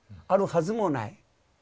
あるはずもない。